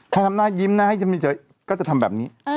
ถ้าทำหน้ายิ้มนะให้มันเจ๋ยก็จะทำแบบนี้